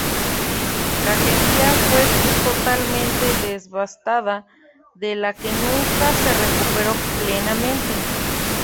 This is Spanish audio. Kajetia fue totalmente devastada, de la que nunca se recuperó plenamente.